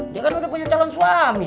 dia kan udah punya calon suami